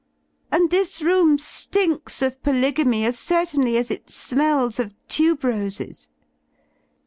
And this room stinks of polygamy as certainly as it smells of tube roses."